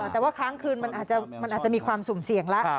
แต่ว่าค้างคืนมันอาจจะมีความสุ่มเสี่ยงแล้ว